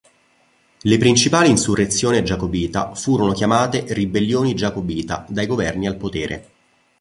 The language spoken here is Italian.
Le principali insurrezione giacobita furono chiamate "ribellioni giacobita" dai governi al potere.